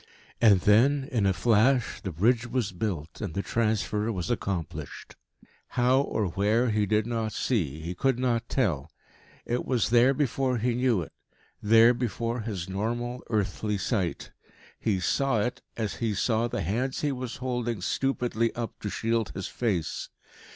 And then, in a flash, the bridge was built, and the transfer was accomplished. How or where he did not see, he could not tell. It was there before he knew it there before his normal, earthly sight. He saw it, as he saw the hands he was holding stupidly up to shield his face.